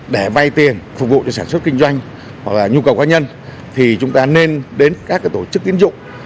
để vay tiền phục vụ cho sản xuất kinh doanh hoặc là nhu cầu cá nhân thì chúng ta nên đến các tổ chức tiến dụng